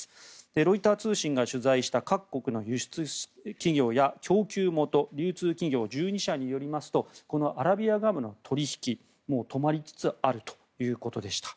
ロイター通信が取材した各国の輸出企業や供給元流通企業１２社によりますとアラビアガムの取引はもう止まりつつあるということでした。